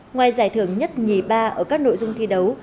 ngoài giải thưởng nhất nhì ba ở các nội dung thi đấu